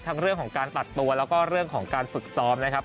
เรื่องของการตัดตัวแล้วก็เรื่องของการฝึกซ้อมนะครับ